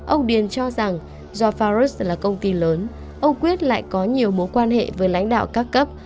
ông điền cho rằng do farus là công ty lớn ông quyết lại có nhiều mối quan hệ với lãnh đạo các cấp